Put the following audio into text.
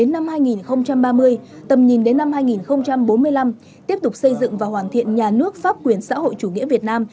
hội nghị trung ương đến năm hai nghìn ba mươi tầm nhìn đến năm hai nghìn bốn mươi năm tiếp tục xây dựng và hoàn thiện nhà nước pháp quyền xã hội chủ nghĩa việt nam